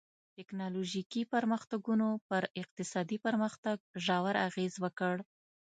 ټکنالوژیکي پرمختګونو پر اقتصادي پرمختګ ژور اغېز وکړ.